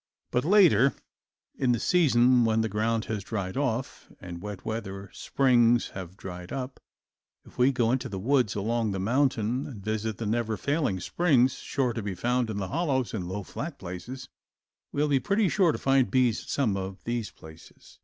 But later in the season, when the ground has dried off and wet weather springs have dried up, if we go into the woods along the mountain and visit the never failing springs sure to be found in the hollows and low flat places, we will be pretty sure to find bees at some of these places.